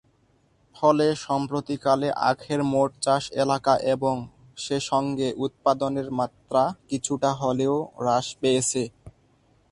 ফলে সাম্প্রতিককালে আখের মোট চাষ এলাকা এবং সেসঙ্গে উৎপাদনের মাত্রা কিছুটা হলেও হ্রাস পেয়েছে।